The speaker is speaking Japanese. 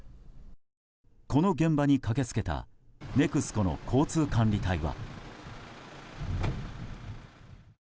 この現場に駆け付けたＮＥＸＣＯの交通管理隊は。